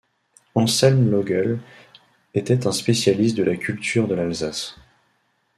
Anselme Laugel était un spécialiste de la culture de l'Alsace.